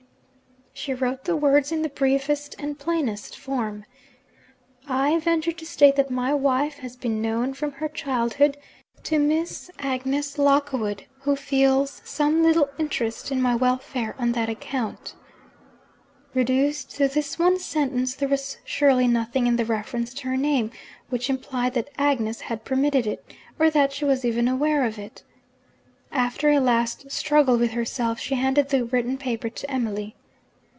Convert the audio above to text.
She wrote the words in the briefest and plainest form: 'I venture to state that my wife has been known from her childhood to Miss Agnes Lockwood, who feels some little interest in my welfare on that account.' Reduced to this one sentence, there was surely nothing in the reference to her name which implied that Agnes had permitted it, or that she was even aware of it. After a last struggle with herself, she handed the written paper to Emily.